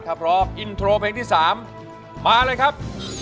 ถ้าพร้อมอินโทรเพลงที่๓มาเลยครับ